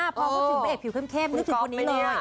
พอพูดถึงพระเอกผิวเข้มนึกถึงคนนี้เลย